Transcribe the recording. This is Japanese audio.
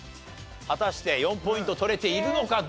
果たして４ポイント取れているのかどうか。